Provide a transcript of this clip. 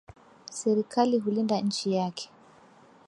Serekali hulinda nchi yake